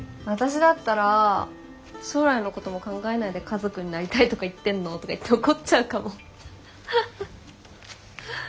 私だったら「将来のことも考えないで家族になりたいとか言ってんの？」とか言って怒っちゃうかも？